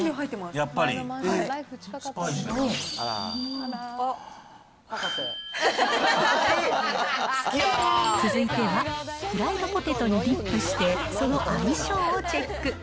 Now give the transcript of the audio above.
すごい！続いては、フライドポテトにディップして、その相性をチェック。